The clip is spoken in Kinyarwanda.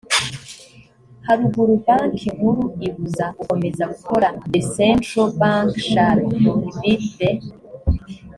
haruguru banki nkuru ibuza gukomeza gukora the central bank shall prohibit the